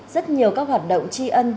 rất nhiều các hoạt động chi ẩn